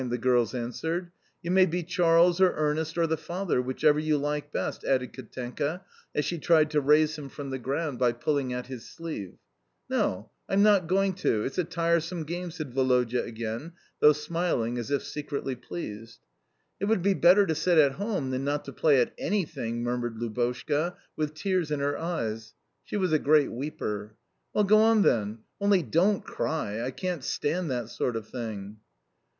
the girls answered. "You may be Charles or Ernest or the father, whichever you like best," added Katenka as she tried to raise him from the ground by pulling at his sleeve. "No, I'm not going to; it's a tiresome game," said Woloda again, though smiling as if secretly pleased. "It would be better to sit at home than not to play at ANYTHING," murmured Lubotshka, with tears in her eyes. She was a great weeper. "Well, go on, then. Only, DON'T cry; I can't stand that sort of thing."